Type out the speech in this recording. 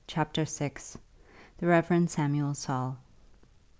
CHAPTER VI. THE REV. SAMUEL SAUL.